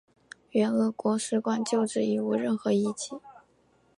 原俄国使馆旧址已无任何遗迹。